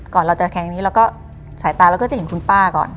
ก่อนเราจะแข่งนี้เราก็สายตาเราก็จะเห็นคุณป้าก่อน